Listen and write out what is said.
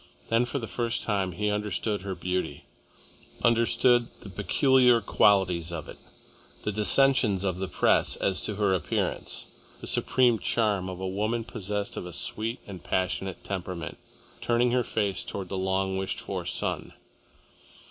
Then for the first time he understood her beauty, understood the peculiar qualities of it, the dissensions of the Press as to her appearance, the supreme charm of a woman possessed of a sweet and passionate temperament, turning her face towards the long wished for sun.